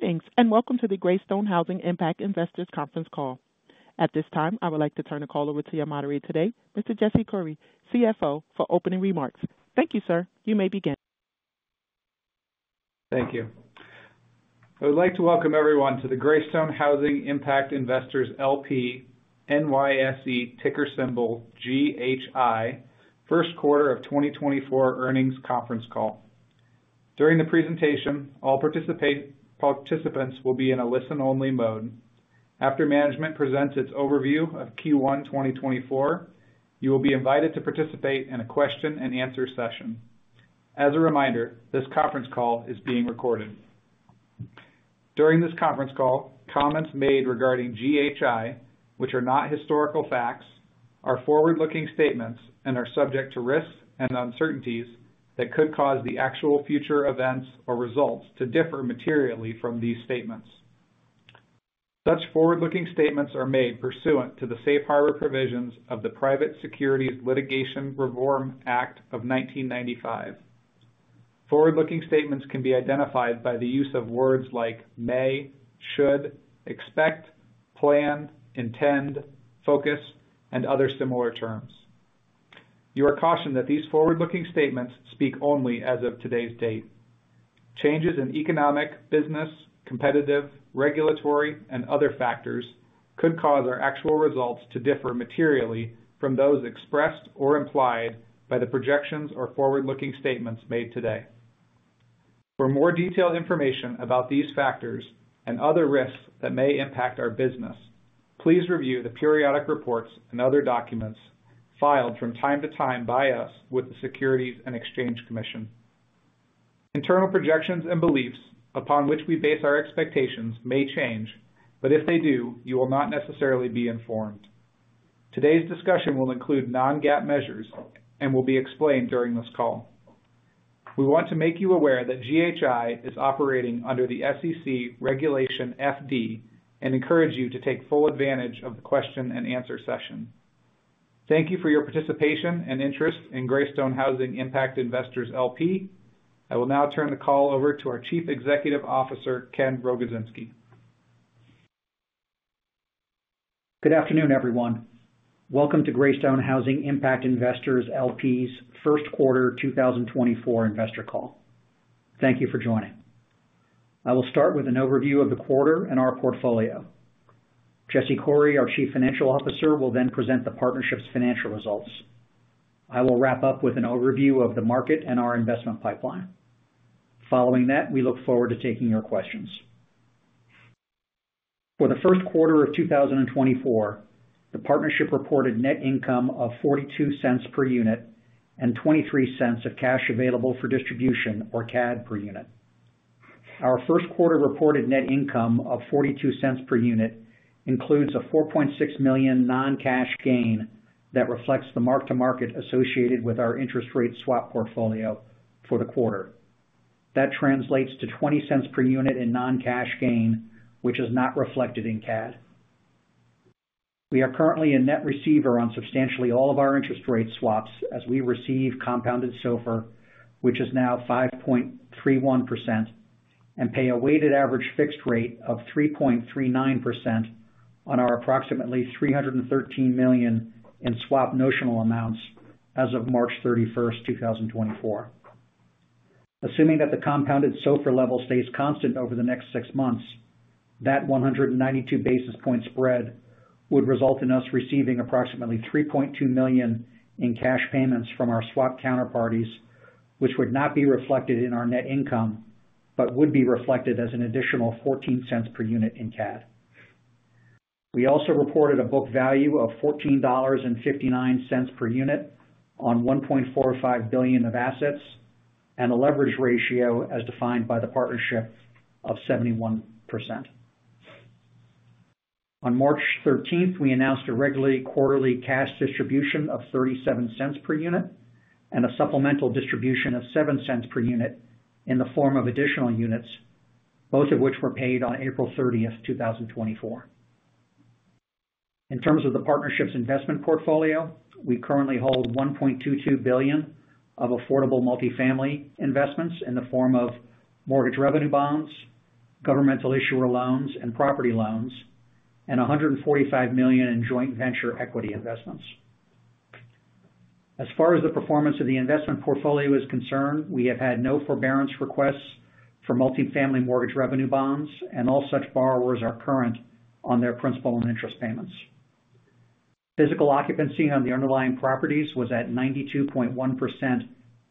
...Greetings, and welcome to the Greystone Housing Impact Investors Conference Call. At this time, I would like to turn the call over to your moderator today, Mr. Jesse Coury, CFO, for opening remarks. Thank you, sir. You may begin. Thank you. I would like to welcome everyone to the Greystone Housing Impact Investors LP, NYSE, ticker symbol GHI, Q1 2024 earnings conference call. During the presentation, all participants will be in a listen-only mode. After management presents its overview of Q1 2024, you will be invited to participate in a question and answer session. As a reminder, this conference call is being recorded. During this conference call, comments made regarding GHI, which are not historical facts, are forward-looking statements and are subject to risks and uncertainties that could cause the actual future events or results to differ materially from these statements. Such forward-looking statements are made pursuant to the safe harbor provisions of the Private Securities Litigation Reform Act of 1995. Forward-looking statements can be identified by the use of words like may, should, expect, plan, intend, focus, and other similar terms. You are cautioned that these forward-looking statements speak only as of today's date. Changes in economic, business, competitive, regulatory, and other factors could cause our actual results to differ materially from those expressed or implied by the projections or forward-looking statements made today. For more detailed information about these factors and other risks that may impact our business, please review the periodic reports and other documents filed from time to time by us with the Securities and Exchange Commission. Internal projections and beliefs upon which we base our expectations may change, but if they do, you will not necessarily be informed. Today's discussion will include non-GAAP measures and will be explained during this call. We want to make you aware that GHI is operating under the SEC Regulation FD and encourage you to take full advantage of the question and answer session. Thank you for your participation and interest in Greystone Housing Impact Investors LP. I will now turn the call over to our Chief Executive Officer, Kenneth C Rogozinski. Good afternoon, everyone. Welcome to Greystone Housing Impact Investors LP's Q1 2024 investor call. Thank you for joining. I will start with an overview of the quarter and our portfolio. Jesse Coury, our Chief Financial Officer, will then present the partnership's financial results. I will wrap up with an overview of the market and our investment pipeline. Following that, we look forward to taking your questions. For the Q1 of 2024, the partnership reported net income of $0.42 per unit and $0.23 of cash available for distribution, or CAD, per unit. Our Q1 reported net income of $0.42 per unit includes a $4.6 million non-cash gain that reflects the mark-to-market associated with our interest rate swap portfolio for the quarter. That translates to $0.20 per unit in non-cash gain, which is not reflected in CAD. We are currently a net receiver on substantially all of our interest rate swaps as we receive compounded SOFR, which is as od today 5.31%, and pay a weighted average fixed rate of 3.39% on our approximately $313 million in swap notional amounts as of March 31, 2024. Assuming that the compounded SOFR level stays constant over the next six months, that 192 basis point spread would result in us receiving approximately $3.2 million in cash payments from our swap counterparties, which would not be reflected in our net income, but would be reflected as an additional $0.14 per unit in CAD. We also reported a book value of $14.59 per unit on $1.45 billion of assets and a leverage ratio as defined by the partnership of 71%. On March 13,2024 we announced a regular quarterly cash distribution of $0.37 per unit and a supplemental distribution of $0.07 per unit in the form of additional units, both of which were paid on April 30, 2024. In terms of the partnership's investment portfolio, we currently hold $1.22 billion of affordable multifamily investments in the form of mortgage revenue bonds, governmental issuer loans, and property loans, and $145 million in joint venture equity investments. As far as the performance of the investment portfolio is concerned, we have had no forbearance requests for multifamily mortgage revenue bonds, and all such borrowers are current on their principal and interest payments. Physical occupancy on the underlying properties was at 92.1%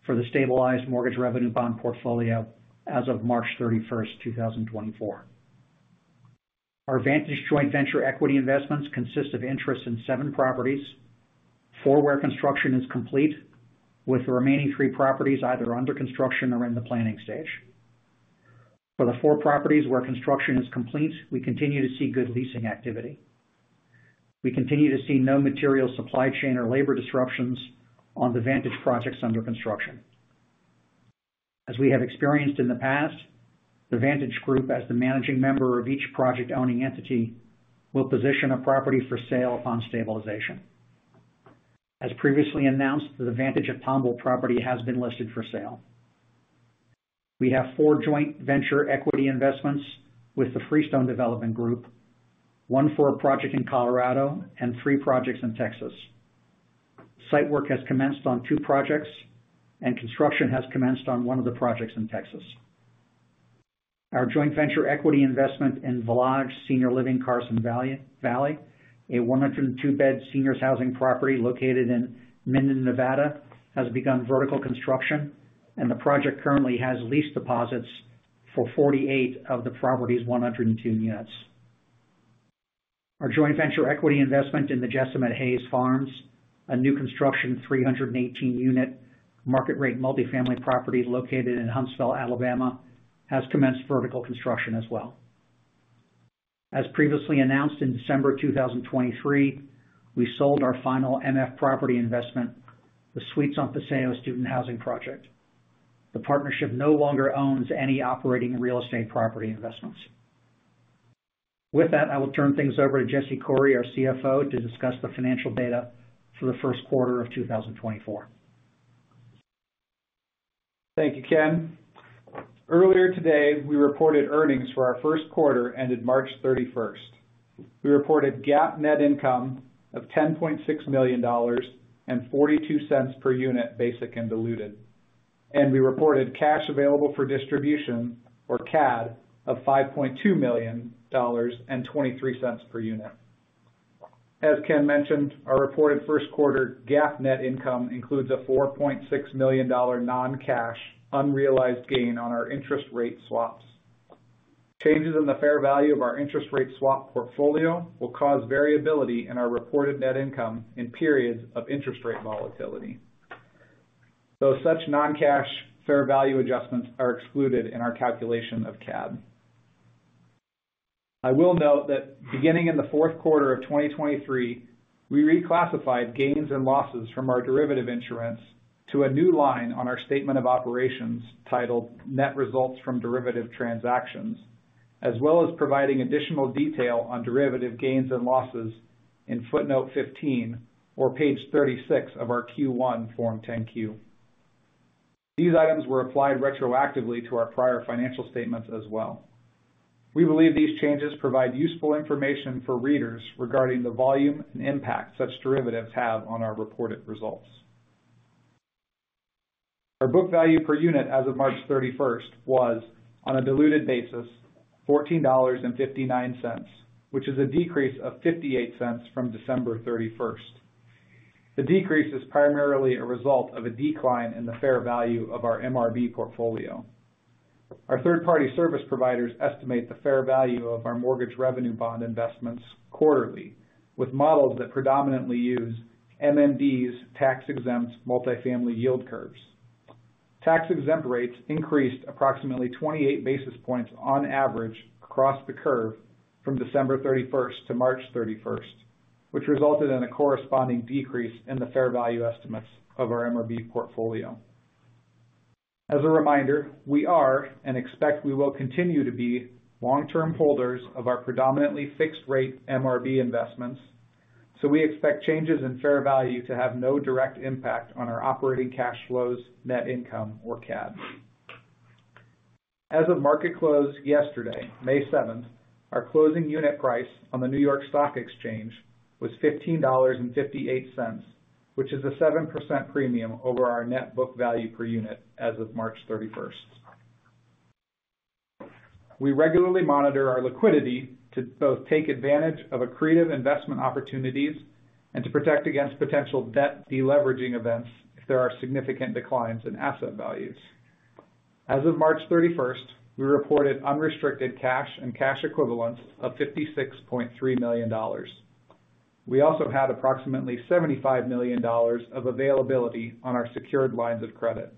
for the stabilized mortgage revenue bond portfolio as of March 31, 2024, 2024. Our Vantage joint venture equity investments consist of interest in 7 properties, 4 where construction is complete, with the remaining three properties either under construction or in the planning stage. For the four properties where construction is complete, we continue to see good leasing activity. We continue to see no material supply chain or labor disruptions on the Vantage projects under construction. As we have experienced in the past, the Vantage Group, as the managing member of each project-owning entity, will position a property for sale upon stabilization.... As previously announced, the Vantage at Tomball property has been listed for sale. We have 4 joint venture equity investments with the Freestone Development Group, 1 for a project in Colorado and 3 projects in Texas. Site work has commenced on 2 projects, and construction has commenced on 1 of the projects in Texas. Our joint venture equity investment in Valage Senior Living at Carson Valley, a 102-bed seniors housing property located in Minden, Nevada, has begun vertical construction, and the project currently has lease deposits for 48 of the property's 102 units. Our joint venture equity investment in The Jessam at Hays Farm, a new construction, 318-unit, market-rate multifamily property located in Huntsville, Alabama, has commenced vertical construction as well. As previously announced, in December 2023, we sold our final MF property investment, the Suites on Paseo Student Housing Project. The partnership no longer owns any operating real estate property investments. With that, I will turn things over to Jesse Coury, our CFO, to discuss the financial data for the Q1 of 2024. Thank you, Ken. Earlier today, we reported earnings for our Q1 ended March 31, 2024. We reported GAAP net income of $10.6 million and $0.42 per unit, basic and diluted, and we reported cash available for distribution, or CAD, of $5.2 million and $0.23 per unit. As Ken mentioned, our reported Q1 GAAP net income includes a $4.6 million-dollar non-cash unrealized gain on our interest rate swaps. Changes in the fair value of our interest rate swap portfolio will cause variability in our reported net income in periods of interest rate volatility, though such non-cash fair value adjustments are excluded in our calculation of CAD. I will note that beginning in the fourth quarter of 2023, we reclassified gains and losses from our derivatives instruments to a new line on our statement of operations titled Net Results from Derivative Transactions, as well as providing additional detail on derivative gains and losses in footnote 15 or page 36 of our Q1 Form 10-Q. These items were applied retroactively to our prior financial statements as well. We believe these changes provide useful information for readers regarding the volume and impact such derivatives have on our reported results. Our book value per unit as of March 31, 2024 was, on a diluted basis, $14.59, which is a decrease of $0.58 from December 31. The decrease is primarily a result of a decline in the fair value of our MRB portfolio. Our third-party service providers estimate the fair value of our mortgage revenue bond investments quarterly, with models that predominantly use MMD's tax-exempt multifamily yield curves. Tax-exempt rates increased approximately 28 basis points on average across the curve from December 31st to March 31, 2024, which resulted in a corresponding decrease in the fair value estimates of our MRB portfolio. As a reminder, we are, and expect we will continue to be, long-term holders of our predominantly fixed-rate MRB investments, so we expect changes in fair value to have no direct impact on our operating cash flows, net income, or CAD. As of market close yesterday, May 7th, our closing unit price on the New York Stock Exchange was $15.58, which is a 7% premium over our net book value per unit as of March 31, 2024. We regularly monitor our liquidity to both take advantage of accretive investment opportunities and to protect against potential debt deleveraging events if there are significant declines in asset valuations. As of March 31, 2024, we reported unrestricted cash and cash equivalents of $56.3 million. We also had approximately $75 million of availability on our secured lines of credit.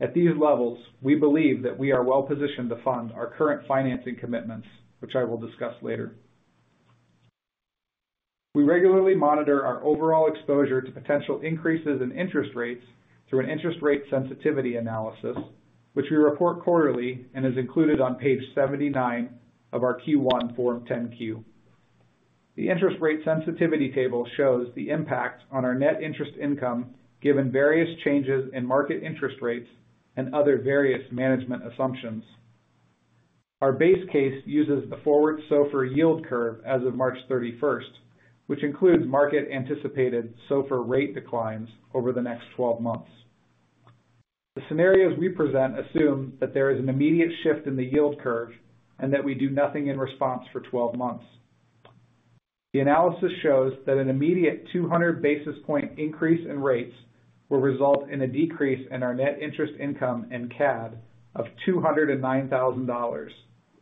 At these levels, we believe that we are well positioned to fund our current financing commitments, which I will discuss later. We regularly monitor our overall exposure to potential increases in interest rates through an interest rate sensitivity analysis, which we report quarterly and is included on page 79 of our Q1 Form 10-Q. The interest rate sensitivity table shows the impact on our net interest income, given various changes in market interest rates and other various management assumptions. Our base case uses the forward SOFR yield curve as of March 31, 2024, which includes market-anticipated SOFR rate declines over the next 12 months. The scenarios we present assume that there is an immediate shift in the yield curve and that we do nothing in response for 12 months. The analysis shows that an immediate 200 basis point increase in rates will result in a decrease in our net interest income and CAD of $209,000,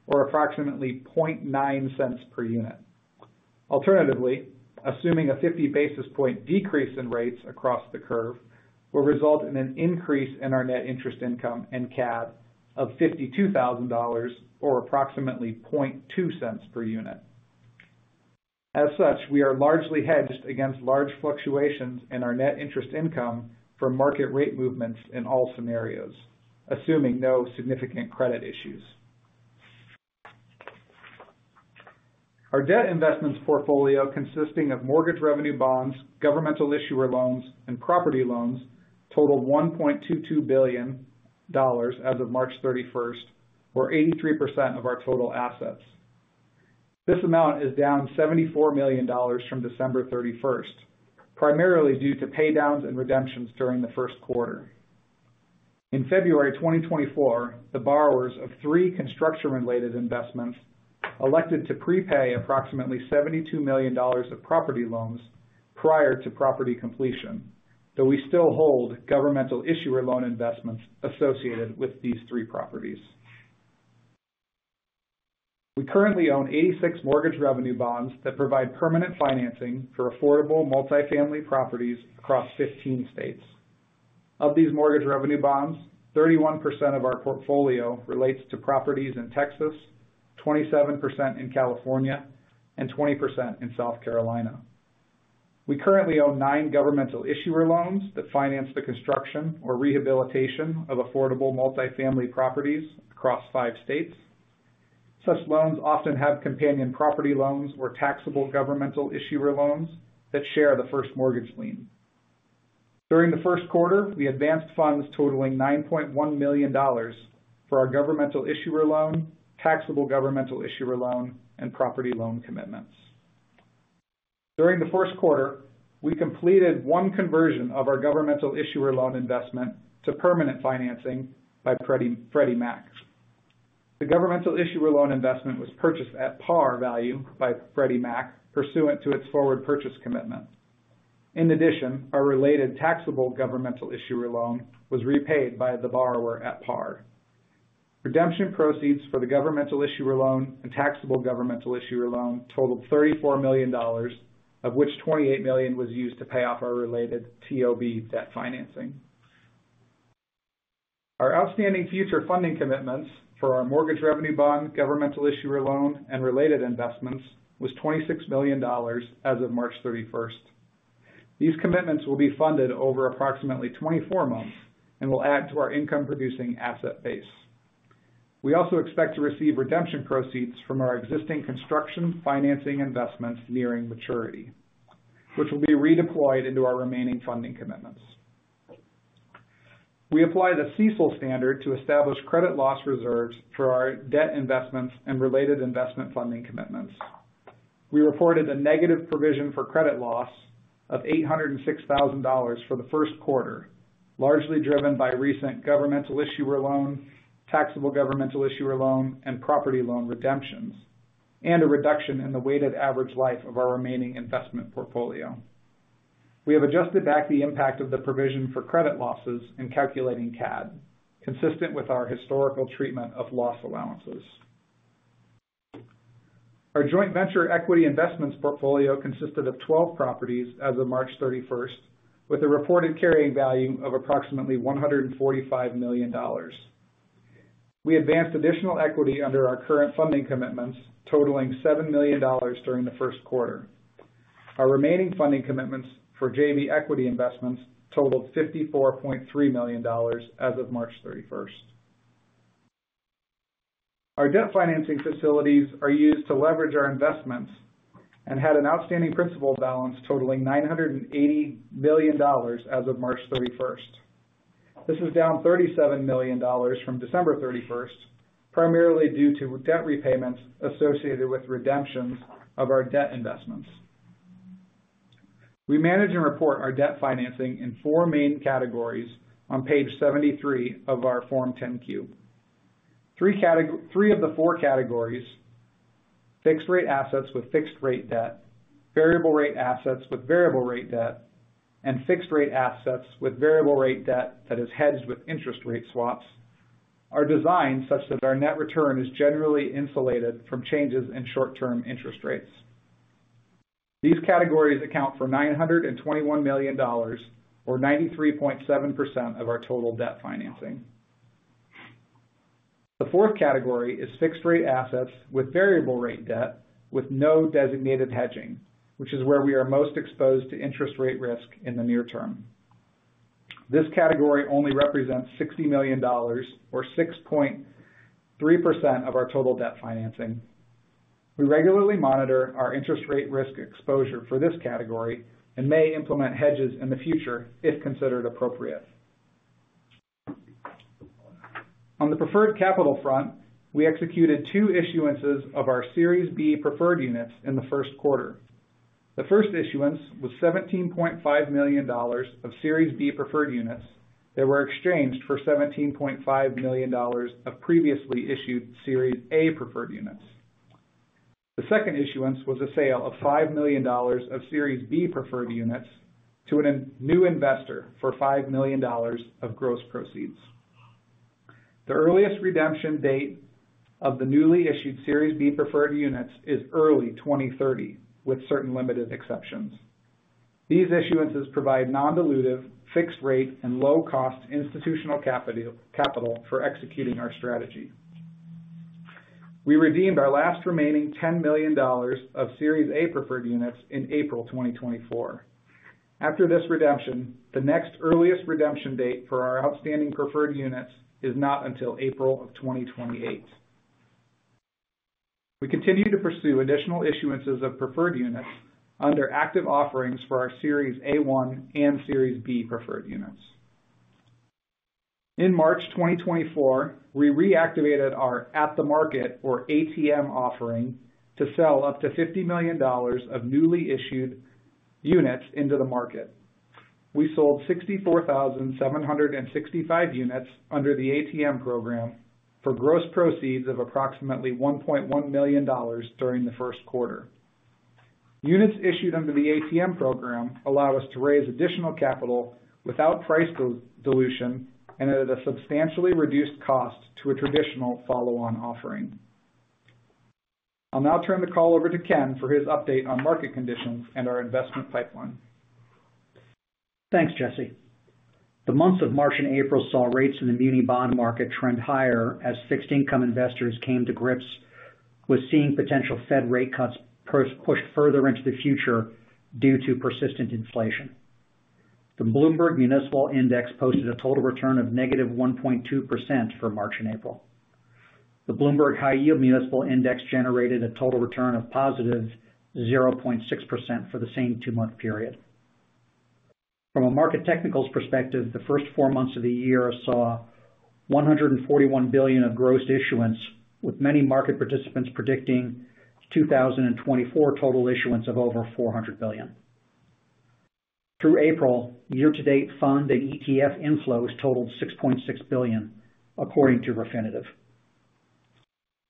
or approximately $0.009 per unit. Alternatively, assuming a 50 basis point decrease in rates across the curve will result in an increase in our net interest income and CAD of $52,000, or approximately 0.2 cents per unit. As such, we are largely hedged against large fluctuations in our net interest income from market rate movements in all scenarios, assuming no significant credit issues. Our debt investments portfolio, consisting of mortgage revenue bonds, governmental issuer loans, and property loans, totaled $1.22 billion as of March 31, 2024, or 83% of our total assets. This amount is down $74 million from December 31, primarily due to pay downs and redemptions during the Q1. In February 2024, the borrowers of three construction-related investments elected to prepay approximately $72 million of property loans prior to property completion, though we still hold governmental issuer loan investments associated with these three properties. We currently own 86 mortgage revenue bonds that provide permanent financing for affordable multifamily properties across 15 states. Of these mortgage revenue bonds, 31% of our portfolio relates to properties in Texas, 27% in California, and 20% in South Carolina. We currently own 9 governmental issuer loans that finance the construction or rehabilitation of affordable multifamily properties across five states. Such loans often have companion property loans or taxable governmental issuer loans that share the first mortgage lien. During the Q1, we advanced funds totaling $9.1 million for our governmental issuer loan, taxable governmental issuer loan, and property loan commitments. During the Q1, we completed 1 conversion of our governmental issuer loan investment to permanent financing by Freddie Mac. The governmental issuer loan investment was purchased at par value by Freddie Mac pursuant to its forward purchase commitment. In addition, our related taxable governmental issuer loan was repaid by the borrower at par. Redemption proceeds for the governmental issuer loan and taxable governmental issuer loan totaled $34 million, of which $28 million was used to pay off our related TOB debt financing. Our outstanding future funding commitments for our mortgage revenue bond, governmental issuer loan, and related investments was $26 million as of March 31, 2024. These commitments will be funded over approximately 24 months and will add to our income-producing asset base. We also expect to receive redemption proceeds from our existing construction financing investments nearing maturity, which will be redeployed into our remaining funding commitments. We apply the CECL standard to establish credit loss reserves for our debt investments and related investment funding commitments. We reported a negative provision for credit loss of $806,000 for the Q1, largely driven by recent governmental issuer loan, taxable governmental issuer loan, and property loan redemptions, and a reduction in the weighted average life of our remaining investment portfolio. We have adjusted back the impact of the provision for credit losses in calculating CAD, consistent with our historical treatment of loss allowances. Our joint venture equity investments portfolio consisted of 12 properties as of March 31, 2024, with a reported carrying value of approximately $145 million. We advanced additional equity under our current funding commitments, totaling $7 million during the Q1. Our remaining funding commitments for JV equity investments totaled $54.3 million as of March 31, 2024. Our debt financing facilities are used to leverage our investments and had an outstanding principal balance totaling $980 million as of March 31, 2024. This is down $37 million from December 31, primarily due to debt repayments associated with redemptions of our debt investments. We manage and report our debt financing in four main categories on page 73 of our Form 10-Q. Three of the four categories, fixed rate assets with fixed rate debt, variable rate assets with variable rate debt, and fixed rate assets with variable rate debt that is hedged with interest rate swaps, are designed such that our net return is generally insulated from changes in short-term interest rates. These categories account for $921 million, or 93.7% of our total debt financing. The fourth category is fixed rate assets with variable rate debt, with no designated hedging, which is where we are most exposed to interest rate risk in the near term. This category only represents $60 million or 6.3% of our total debt financing. We regularly monitor our interest rate risk exposure for this category and may implement hedges in the future if considered appropriate. On the preferred capital front, we executed two issuances of our Series B preferred units in the Q1. The first issuance was $17.5 million of Series B preferred units that were exchanged for $17.5 million of previously issued Series A preferred units. The second issuance was a sale of $5 million of Series B preferred units to a new investor for $5 million of gross proceeds. The earliest redemption date of the newly issued Series B preferred units is early 2030, with certain limited exceptions. These issuances provide non-dilutive, fixed rate, and low-cost institutional capital for executing our strategy. We redeemed our last remaining $10 million of Series A preferred units in April 2024. After this redemption, the next earliest redemption date for our outstanding preferred units is not until April 2028. We continue to pursue additional issuances of preferred units under active offerings for our Series A-1 and Series B preferred units. In March 2024, we reactivated our at-the-market, or ATM, offering to sell up to $50 million of newly issued units into the market. We sold 64,765 units under the ATM program for gross proceeds of approximately $1.1 million during the Q1. Units issued under the ATM program allow us to raise additional capital without price dilution and at a substantially reduced cost to a traditional follow-on offering. I'll now turn the call over to Ken for his update on market conditions and our investment pipeline. Thanks, Jesse. The months of March and April saw rates in the muni bond market trend higher as fixed income investors came to grips with seeing potential Fed rate cuts pushed further into the future due to persistent inflation. The Bloomberg Municipal Index posted a total return of negative 1.2% for March and April. The Bloomberg High Yield Municipal Index generated a total return of positive 0.6% for the same two-month period. From a market technicals perspective, the first four months of the year saw $141 billion of gross issuance, with many market participants predicting 2024 total issuance of over $400 billion. Through April, year-to-date fund and ETF inflows totaled $6.6 billion, according to Refinitiv.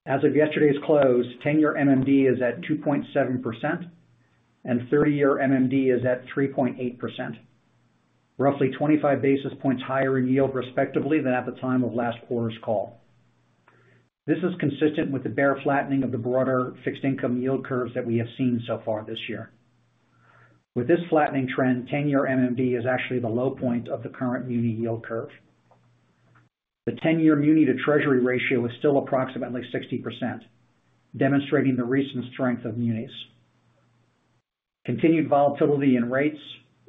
As of yesterday's close, 10-year MMD is at 2.7%, and 30-year MMD is at 3.8%, roughly 25 basis points higher in yield respectively than at the time of last quarter's call. This is consistent with the bear flattening of the broader fixed income yield curves that we have seen so far this year. With this flattening trend, 10-year MMD is actually the low point of the current muni yield curve. The 10-year muni-to-treasury ratio is still approximately 60%, demonstrating the recent strength of munis. Continued volatility in rates,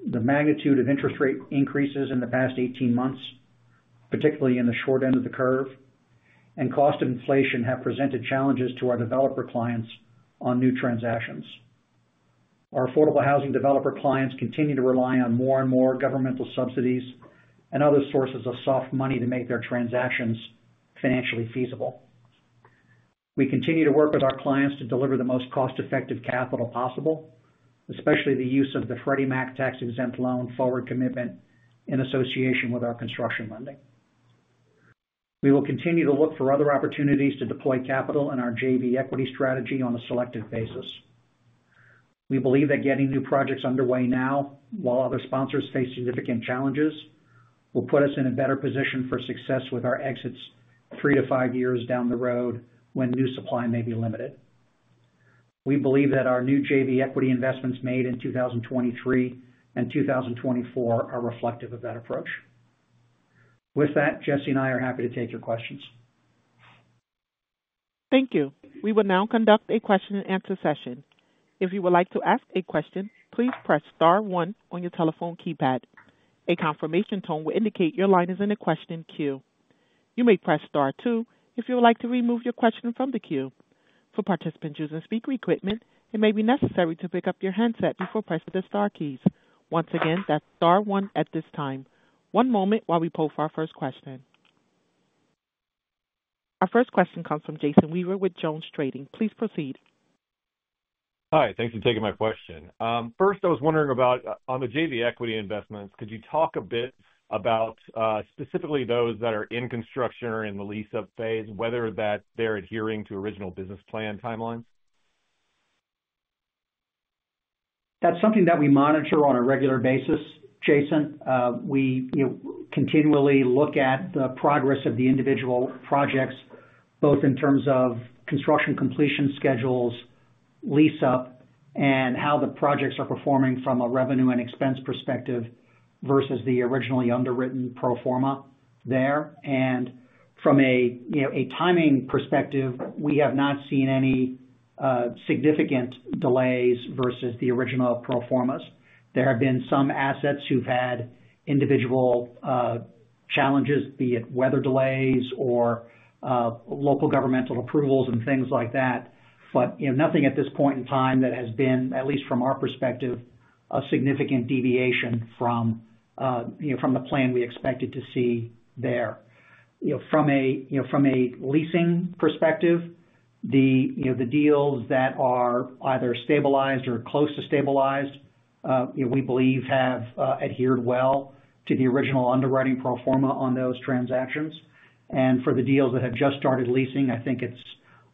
the magnitude of interest rate increases in the past 18 months, particularly in the short end of the curve, and cost of inflation, have presented challenges to our developer clients on new transactions. Our affordable housing developer clients continue to rely on more and more governmental subsidies and other sources of soft money to make their transactions financially feasible. We continue to work with our clients to deliver the most cost-effective capital possible, especially the use of the Freddie Mac tax-exempt loan forward commitment in association with our construction lending. We will continue to look for other opportunities to deploy capital in our JV equity strategy on a selective basis. We believe that getting new projects underway now, while other sponsors face significant challenges, will put us in a better position for success with our exits 3-5 years down the road, when new supply may be limited. We believe that our new JV equity investments made in 2023 and 2024 are reflective of that approach. With that, Jesse and I are happy to take your questions. Thank you. We will now conduct a question-and-answer session. If you would like to ask a question, please press star one on your telephone keypad. A confirmation tone will indicate your line is in a question queue. You may press star two if you would like to remove your question from the queue. For participants using speaker equipment, it may be necessary to pick up your handset before pressing the star keys. Once again, that's star one at this time. One moment while we poll for our first question. Our first question comes from Jason Weaver with JonesTrading. Please proceed. Hi, thanks for taking my question. First, I was wondering about, on the JV equity investments, could you talk a bit about, specifically those that are in construction or in the lease-up phase, whether that they're adhering to original business plan timelines? That's something that we monitor on a regular basis, Jason. We, you know, continually look at the progress of the individual projects, both in terms of construction completion schedules, lease-up, and how the projects are performing from a revenue and expense perspective versus the originally underwritten pro forma there. And from a, you know, a timing perspective, we have not seen any significant delays versus the original pro formas. There have been some assets who've had individual challenges, be it weather delays or local governmental approvals and things like that. But, you know, nothing at this point in time that has been, at least from our perspective, a significant deviation from you know, from the plan we expected to see there. You know, from a, you know, from a leasing perspective, the, you know, the deals that are either stabilized or close to stabilized, you know, we believe have adhered well to the original underwriting pro forma on those transactions. And for the deals that have just started leasing, I think it's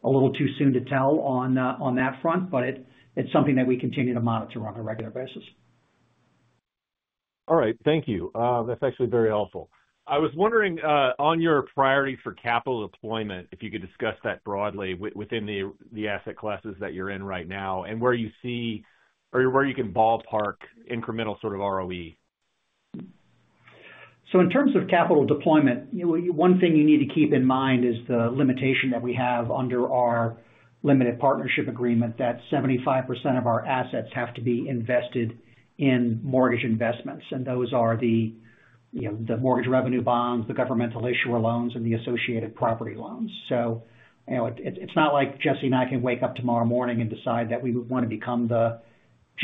a little too soon to tell on, on that front, but it, it's something that we continue to monitor on a regular basis. All right. Thank you. That's actually very helpful. I was wondering, on your priority for capital deployment, if you could discuss that broadly within the asset classes that you're in right now and where you see or where you can ballpark incremental sort of ROE? ...So in terms of capital deployment, you, one thing you need to keep in mind is the limitation that we have under our limited partnership agreement, that 75% of our assets have to be invested in mortgage investments, and those are the, you know, the mortgage revenue bonds, the governmental issuer loans, and the associated property loans. So, you know, it, it's not like Jesse and I can wake up tomorrow morning and decide that we would want to become the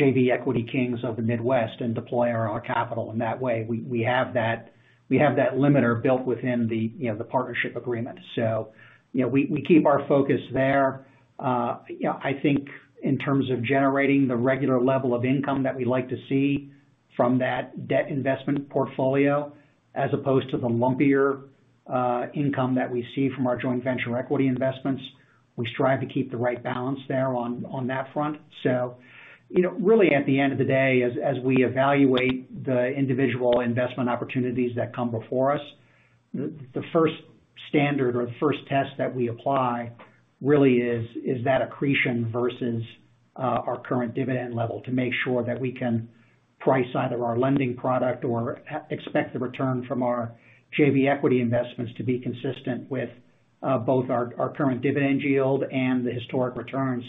JV equity kings of the Midwest and deploy our, our capital in that way. We, we have that, we have that limiter built within the, you know, the partnership agreement. So, you know, we, we keep our focus there. You know, I think in terms of generating the regular level of income that we like to see from that debt investment portfolio, as opposed to the lumpier income that we see from our joint venture equity investments, we strive to keep the right balance there on that front. So, you know, really, at the end of the day, as we evaluate the individual investment opportunities that come before us, the first standard or the first test that we apply really is that accretion versus our current dividend level to make sure that we can price either our lending product or expect the return from our JV equity investments to be consistent with both our current dividend yield and the historic returns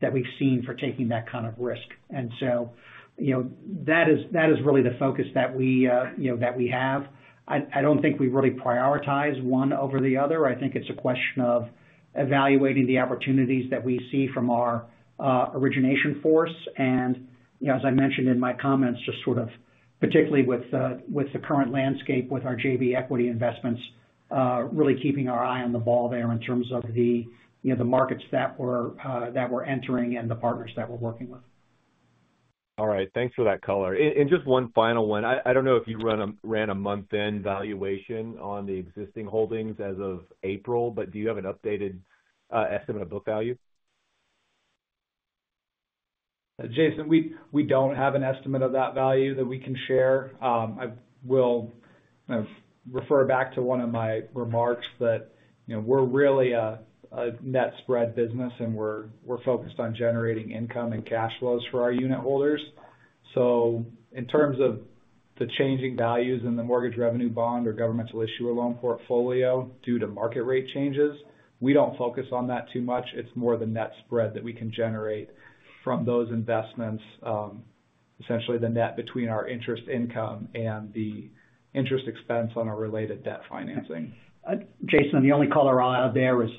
that we've seen for taking that kind of risk. And so, you know, that is, that is really the focus that we, you know, that we have. I, I don't think we really prioritize one over the other. I think it's a question of evaluating the opportunities that we see from our, origination force. You know, as I mentioned in my comments, just sort of particularly with, with the current landscape, with our JV equity investments, really keeping our eye on the ball there in terms of the, you know, the markets that we're, that we're entering and the partners that we're working with. All right. Thanks for that color. And just one final one. I don't know if you ran a month-end valuation on the existing holdings as of April, but do you have an updated estimate of book value? Jason, we don't have an estimate of that value that we can share. I will, you know, refer back to one of my remarks that, you know, we're really a net spread business, and we're focused on generating income and cash flows for our unit holders. So in terms of the changing values in the Mortgage Revenue Bond or Governmental Issuer Loan portfolio due to market rate changes, we don't focus on that too much. It's more the net spread that we can generate from those investments, essentially the net between our interest income and the interest expense on our related debt financing. Jason, the only color I'll add there is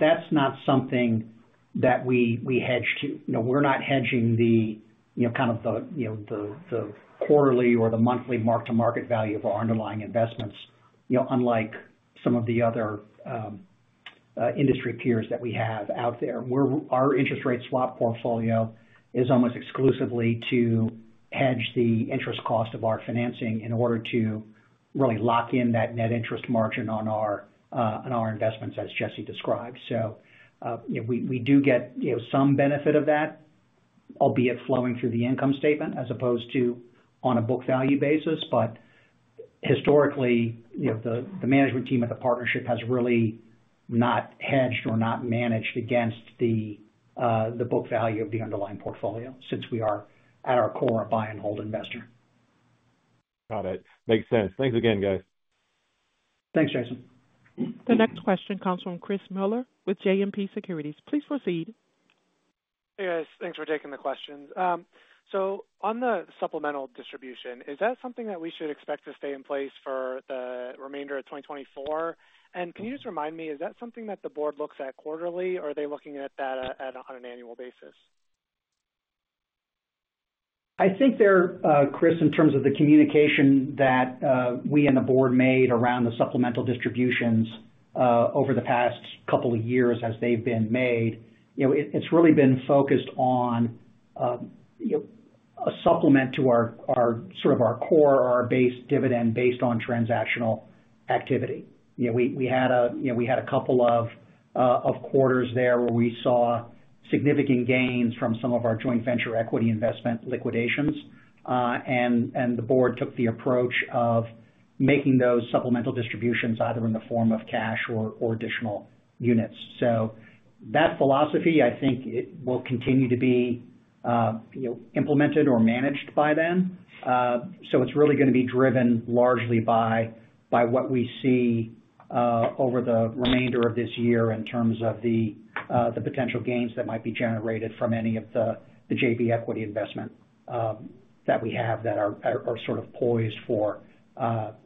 that's not something that we hedge to. You know, we're not hedging the you know, kind of the you know, the quarterly or the monthly mark-to-market value of our underlying investments, you know, unlike some of the other industry peers that we have out there. Our interest rate swap portfolio is almost exclusively to hedge the interest cost of our financing in order to really lock in that net interest margin on our investments, as Jesse described. So, you know, we do get, you know, some benefit of that, albeit flowing through the income statement as opposed to on a book value basis. But historically, you know, the management team at the partnership has really not hedged or not managed against the book value of the underlying portfolio since we are, at our core, a buy and hold investor. Got it. Makes sense. Thanks again, guys. Thanks, Jason. The next question comes from Chris Muller with JMP Securities. Please proceed. Hey, guys. Thanks for taking the questions. So on the supplemental distribution, is that something that we should expect to stay in place for the remainder of 2024? And can you just remind me, is that something that the board looks at quarterly, or are they looking at that, on an annual basis? I think there, Chris, in terms of the communication that, we and the board made around the supplemental distributions, over the past couple of years as they've been made, you know, it, it's really been focused on, you know, a supplement to our, our, sort of our core or our base dividend based on transactional activity. You know, we, we had a, you know, we had a couple of, of quarters there where we saw significant gains from some of our joint venture equity investment liquidations. And, and the board took the approach of making those supplemental distributions either in the form of cash or, or additional units. So that philosophy, I think it will continue to be, you know, implemented or managed by them. So it's really gonna be driven largely by what we see over the remainder of this year in terms of the potential gains that might be generated from any of the JV equity investment that we have that are sort of poised for,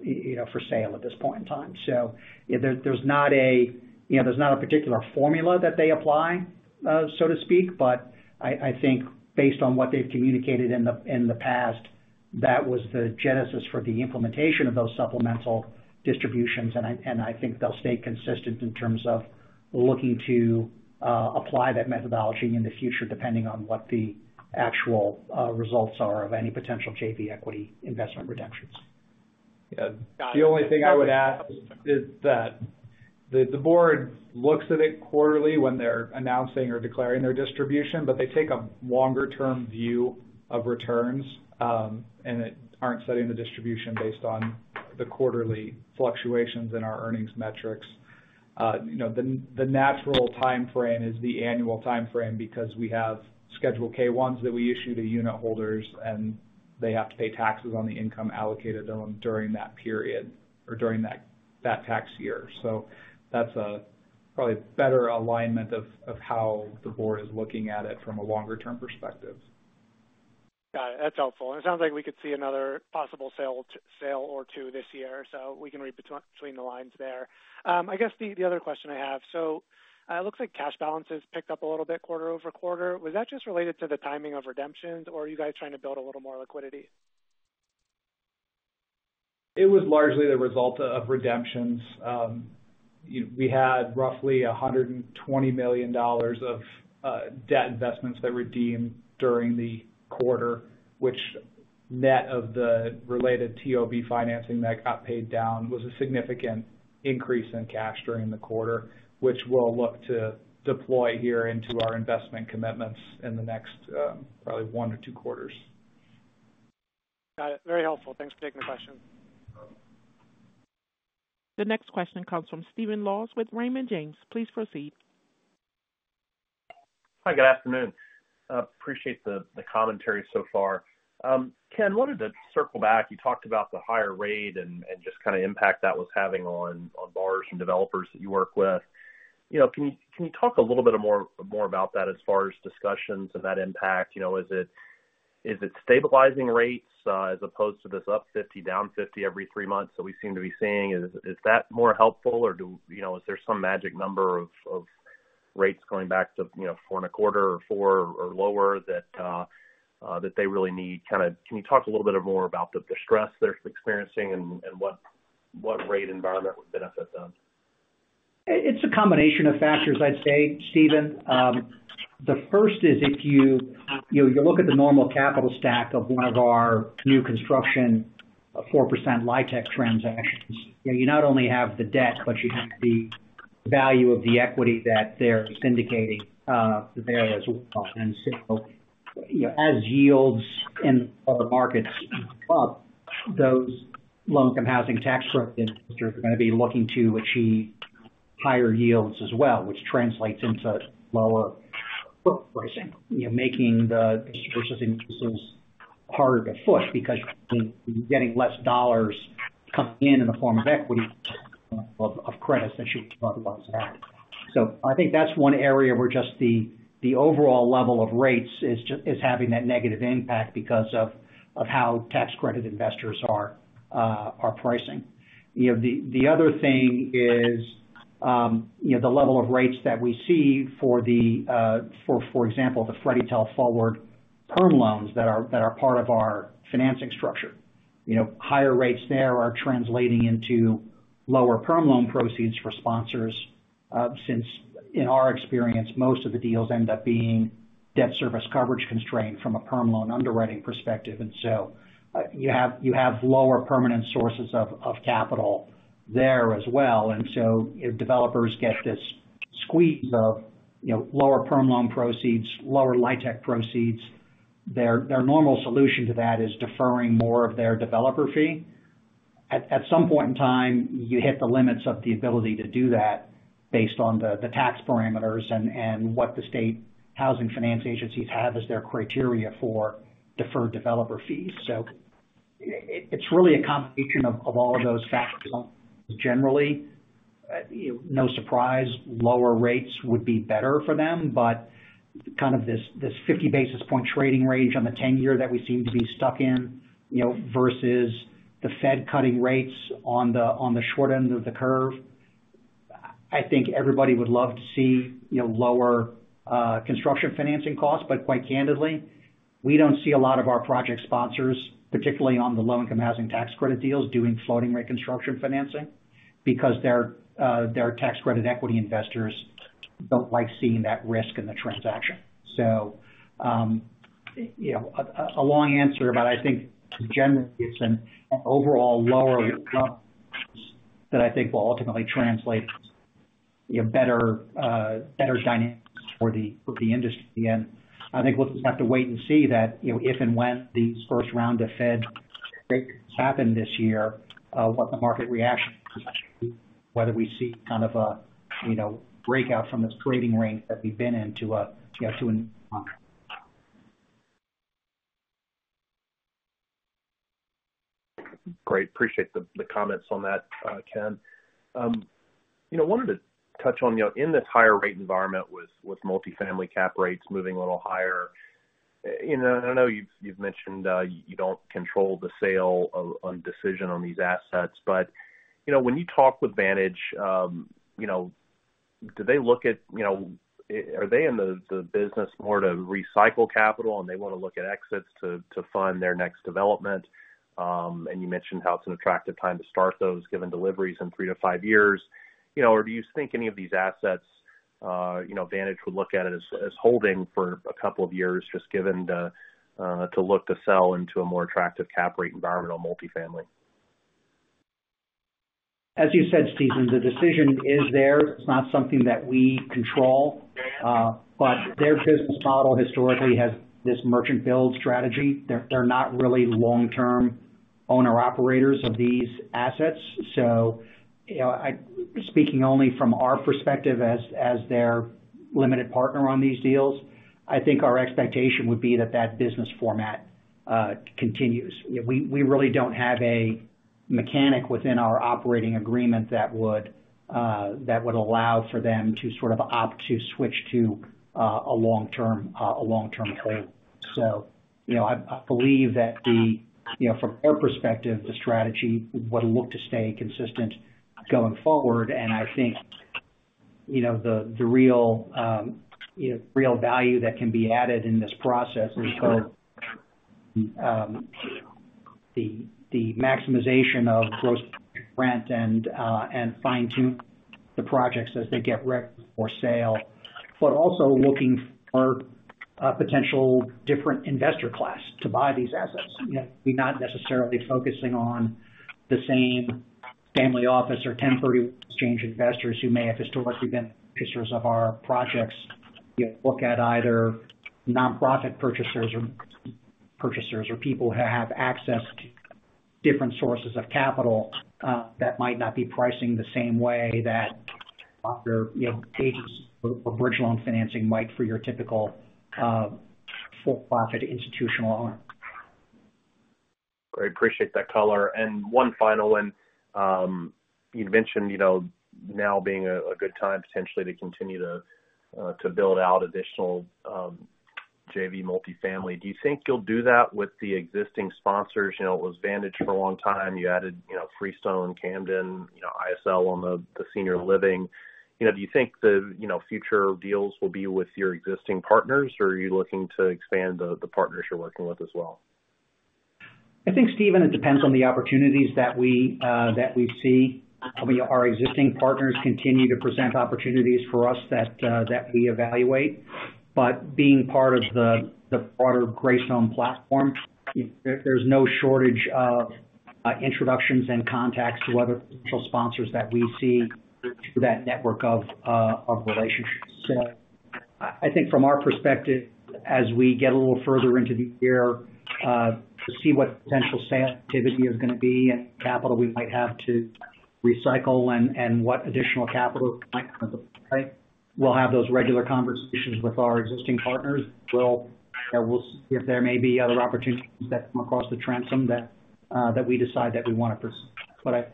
you know, for sale at this point in time. So there's not a particular formula that they apply, so to speak, but I think based on what they've communicated in the past, that was the genesis for the implementation of those supplemental distributions. And I think they'll stay consistent in terms of looking to apply that methodology in the future, depending on what the actual results are of any potential JV equity investment redemptions. Yeah. Got it. The only thing I would add is that the board looks at it quarterly when they're announcing or declaring their distribution, but they take a longer-term view of returns, and they aren't setting the distribution based on the quarterly fluctuations in our earnings metrics. You know, the natural timeframe is the annual timeframe because we have Schedule K-1s that we issue to unitholders, and they have to pay taxes on the income allocated to them during that period or during that tax year. So that's a probably better alignment of how the board is looking at it from a longer-term perspective. Got it. That's helpful. And it sounds like we could see another possible sale or two this year, so we can read between the lines there. I guess the other question I have: so, it looks like cash balances picked up a little bit quarter-over-quarter. Was that just related to the timing of redemptions, or are you guys trying to build a little more liquidity? It was largely the result of redemptions. We had roughly $120 million of debt investments that redeemed during the quarter, which net of the related TOB financing that got paid down, was a significant increase in cash during the quarter, which we'll look to deploy here into our investment commitments in the next probably one or two quarters. Got it. Very helpful. Thanks for taking the question. The next question comes from Stephen Laws with Raymond James. Please proceed. Hi, good afternoon. Appreciate the commentary so far. Ken, wanted to circle back. You talked about the higher rate and just kind of impact that was having on borrowers and developers that you work with. You know, can you talk a little bit more about that as far as discussions and that impact? You know, is it stabilizing rates as opposed to this up 50, down 50 every three months that we seem to be seeing? Is that more helpful, or do you know, is there some magic number of rates going back to you know, 4.25 or 4 or lower that they really need? Kind of, can you talk a little bit more about the distress they're experiencing and what rate environment would benefit them? It's a combination of factors, I'd say, Steven. The first is if you, you know, you look at the normal capital stack of one of our new construction, a 4% LIHTC transactions, you know, you not only have the debt, but you have the value of the equity that they're syndicating, there as well. And so, you know, as yields in other markets go up, those low-income housing tax credit investors are going to be looking to achieve higher yields as well, which translates into lower book pricing, you know, making the distributions harder to push because you're getting less dollars coming in, in the form of equity of credits that you talk about that. So I think that's one area where just the overall level of rates is having that negative impact because of how tax credit investors are pricing. You know, the other thing is, you know, the level of rates that we see for the, for example, the Freddie Mac forward perm loans that are part of our financing structure. You know, higher rates there are translating into lower perm loan proceeds for sponsors, since in our experience, most of the deals end up being debt service coverage constrained from a perm loan underwriting perspective. And so, you have lower permanent sources of capital there as well. And so if developers get this squeeze of, you know, lower perm loan proceeds, lower LIHTC proceeds, their normal solution to that is deferring more of their developer fee. At some point in time, you hit the limits of the ability to do that based on the tax parameters and what the state housing finance agencies have as their criteria for deferred developer fees. So it's really a combination of all of those factors. Generally, you know, no surprise, lower rates would be better for them, but kind of this 50 basis point trading range on the 10-year that we seem to be stuck in, you know, versus the Fed cutting rates on the short end of the curve. I think everybody would love to see, you know, lower, construction financing costs, but quite candidly, we don't see a lot of our project sponsors, particularly on the low-income housing tax credit deals, doing floating rate construction financing because their, their tax credit equity investors don't like seeing that risk in the transaction. So, you know, a, a long answer, but I think generally it's an overall lower cost that I think will ultimately translate, you know, better, better dynamics for the, for the industry. And I think we'll just have to wait and see that, you know, if and when these first round of Fed rates happen this year, what the market reaction, whether we see kind of a, you know, breakout from this trading range that we've been into a, to a new... Great. Appreciate the comments on that, Ken. You know, wanted to touch on, you know, in this higher rate environment with multifamily cap rates moving a little higher, you know, and I know you've mentioned, you don't control the sale or decision on these assets. But, you know, when you talk with Vantage, you know, do they look at, you know, are they in the business more to recycle capital and they want to look at exits to fund their next development? And you mentioned how it's an attractive time to start those given deliveries in three to five years. You know, or do you think any of these assets, you know, Vantage would look at it as, as holding for a couple of years, just given the, to look to sell into a more attractive cap rate environment on multifamily? As you said, Steven, the decision is there. It's not something that we control, but their business model historically has this merchant build strategy. They're not really long-term owner-operators of these assets. So, you know, speaking only from our perspective as their limited partner on these deals, I think our expectation would be that that business format continues. We really don't have a mechanic within our operating agreement that would allow for them to sort of opt to switch to a long-term hold. So, you know, I believe that, you know, from their perspective, the strategy would look to stay consistent going forward. I think, you know, the real value that can be added in this process is sort of the maximization of gross rent and fine-tune the projects as they get ready for sale. But also looking for a potential different investor class to buy these assets. You know, we're not necessarily focusing on the same family office or 1031 exchange investors who may have historically been purchasers of our projects. We look at either nonprofit purchasers or people who have access to different sources of capital that might not be pricing the same way that offer, you know, pages for bridge loan financing might for your typical for-profit institutional owner. I appreciate that color. And one final one. You'd mentioned, you know, now being a good time potentially to continue to build out additional JV multifamily. Do you think you'll do that with the existing sponsors? You know, it was Vantage for a long time. You added, you know, Freestone, Camden, you know, ISL on the senior living. You know, do you think the future deals will be with your existing partners, or are you looking to expand the partners you're working with as well? I think, Steven, it depends on the opportunities that we, that we see. I mean, our existing partners continue to present opportunities for us that, that we evaluate. But being part of the, the broader Greystone platform, there, there's no shortage of, introductions and contacts to other potential sponsors that we see through that network of, of relationships. So I, I think from our perspective, as we get a little further into the year, to see what potential sale activity is gonna be and capital we might have to recycle and, and what additional capital might, right? We'll have those regular conversations with our existing partners. We'll, we'll-- if there may be other opportunities that come across the transom that, that we decide that we want to pursue.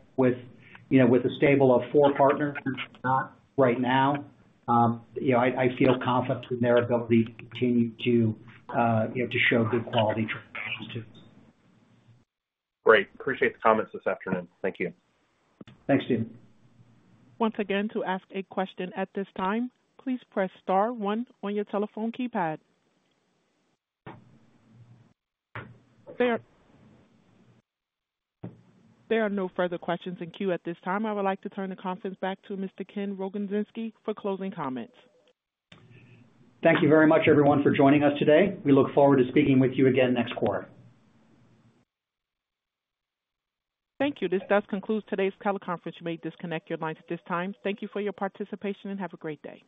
But with a stable of four partners, not right now, you know, I feel confident in their ability to continue to, you know, to show good quality transactions, too. Great. Appreciate the comments this afternoon. Thank you. Thanks, Steven. Once again, to ask a question at this time, please press star one on your telephone keypad. There are no further questions in queue at this time. I would like to turn the conference back to Mr. Ken Rogozinski for closing comments. Thank you very much, everyone, for joining us today. We look forward to speaking with you again next quarter. Thank you. This does conclude today's teleconference. You may disconnect your lines at this time. Thank you for your participation, and have a great day.